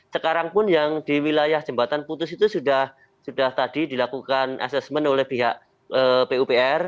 sekarang pun yang di wilayah jembatan putus itu sudah tadi dilakukan asesmen oleh pihak pupr